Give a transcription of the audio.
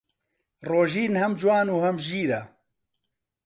ڕۆژین هەم جوان و هەم ژیرە.